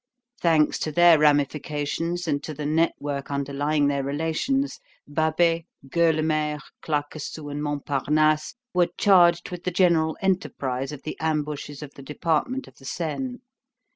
Thanks to their ramifications, and to the network underlying their relations, Babet, Gueulemer, Claquesous, and Montparnasse were charged with the general enterprise of the ambushes of the department of the Seine.